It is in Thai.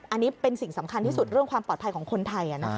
อันนี้เป็นสิ่งสำคัญที่สุดเรื่องความปลอดภัยของคนไทย